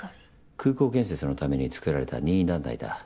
空港建設のために作られた任意団体だ。